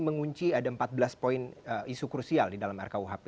mengunci ada empat belas poin isu krusial di dalam rkuhp